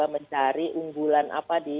mencari unggulan apa di